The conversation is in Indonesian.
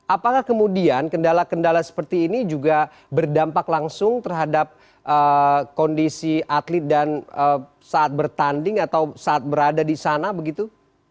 apakah kemudian kendala kendala seperti ini juga berdampak langsung terhadap kondisi atlet dan saat bertanding atau saat berada di sana begitu